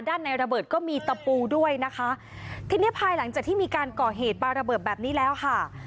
ในระเบิดก็มีตะปูด้วยนะคะทีนี้ภายหลังจากที่มีการก่อเหตุปลาระเบิดแบบนี้แล้วค่ะ